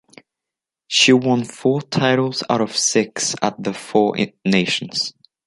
She won four titles out of six at the Four Nations.